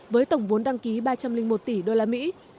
với tổng vốn đăng ký ba trăm linh một tỷ đô la mỹ